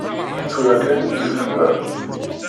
Tura kan i yebda.